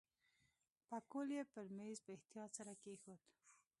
پکول یې پر میز په احتیاط سره کېښود.